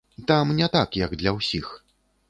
Там не так, як для ўсіх.